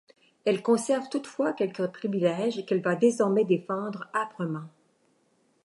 Elle conserve toutefois quelques privilèges qu’elle va désormais défendre âprement.